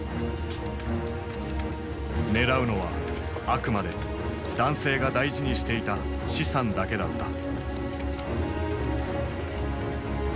狙うのはあくまで男性が大事にしていた資産だけだった。